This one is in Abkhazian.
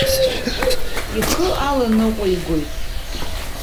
Ихы аланыҟәигоит.